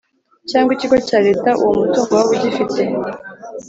cyangwa ikigo cya Leta uwo mutungo waba ugifite